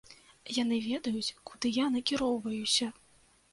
Яны ведаюць, куды я накіроўваюся!